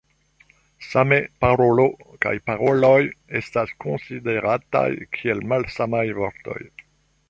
Same "parolo" kaj "paroloj" estas konsiderataj kiel malsamaj vortoj.